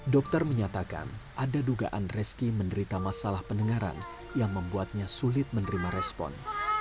dokter menyatakan ada dugaan reski menderita masalah pendengaran yang membuatnya sulit menerima respon